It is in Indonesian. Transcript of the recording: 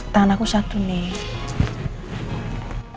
tangan aku satu nih